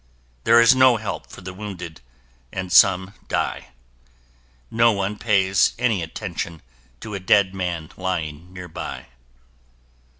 There is no help for the wounded and some die. No one pays any attention to a dead man lying nearby.